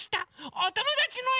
おともだちのえを。